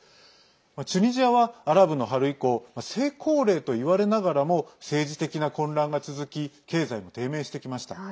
チュニジアは、アラブの春以降成功例といわれながらも政治的な混乱が続き経済も低迷してきました。